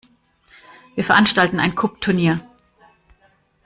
Wir veranstalten ein Kubb-Turnier.